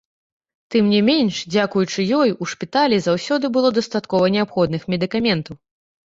Тым не менш, дзякуючы ёй, у шпіталі заўсёды было дастаткова неабходных медыкаментаў.